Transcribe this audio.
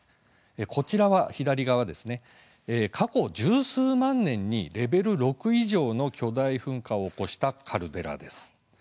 こちらは過去十数万年にレベル６以上の巨大噴火を起こしたカルデラです。